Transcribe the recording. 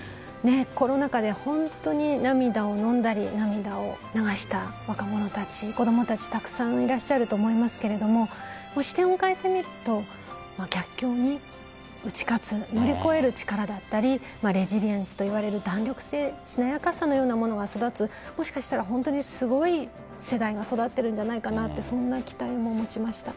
コロナ禍で本当に涙をのんだり涙を流した若者たち、子供たちたくさんいらっしゃると思いますが視点を変えてみると逆境に打ち勝つ乗り越える力だったりレジリエンスといわれる弾力性しなやかさのようなものが育つもしかしたら本当にすごい世代が育っているんじゃないかとそんな期待も持ちました。